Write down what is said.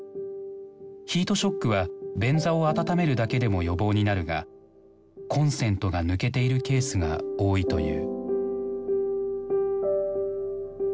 ヒートショックは便座を温めるだけでも予防になるがコンセントが抜けているケースが多いという。